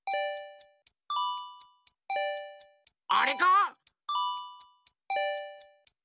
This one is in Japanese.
あれか？